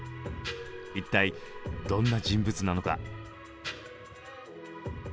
一体どんな人物なのか？